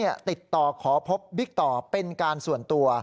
บิ๊กโจ๊กติดต่อขอพบบิ๊กต่อเป็นการส่วนตัว